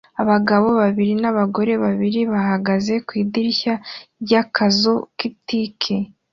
Abagabo babiri n'abagore babiri bahagaze ku idirishya ry'akazu k'itike